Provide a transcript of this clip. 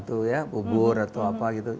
ubur atau apa gitu